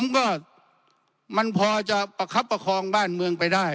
ก็มันพอจะประคับประคองบ้านเมืองไปได้